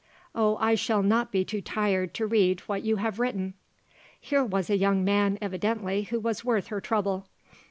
Oh, I shall not be too tired to read what you have written." Here was a young man, evidently, who was worth her trouble.